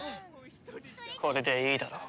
これでいいだろう。